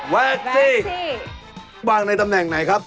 ที่วางในตำแหน่งไหนครับ